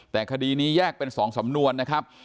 แต่คดีนี้แยกเป็น๒สำนวนนะครับ